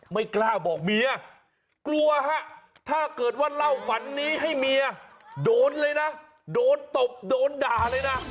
ไม่กล้าบอกเมียกลัวฮะถ้าเกิดว่าเล่าฝันนี้ให้เมียโดนเลยนะโดนตบโดนด่าเลยนะ